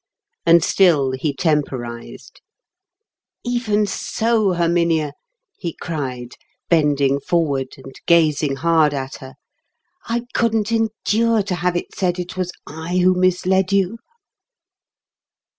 And still he temporised. "Even so, Herminia," he cried, bending forward and gazing hard at her, "I couldn't endure to have it said it was I who misled you."